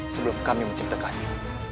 sebelum kami menciptakannya